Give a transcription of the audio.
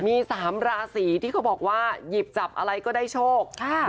มี๓ราศีที่เขาบอกว่าหยิบจับอะไรก็ได้โชค